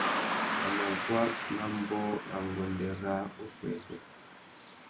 A mà guá nà ambōh râ nguêndê râā upwêpwê.